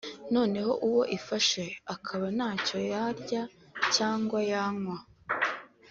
noneho uwo ifashe akaba ntacyo yarya cyangwa yanywa